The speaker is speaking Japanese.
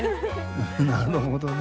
なるほどね。